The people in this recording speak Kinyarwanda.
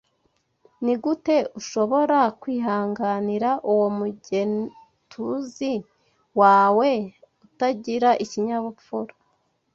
Nigute ushobora kwihanganira uwo mugeTUZI wawe utagira ikinyabupfura?